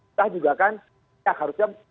kita juga kan harusnya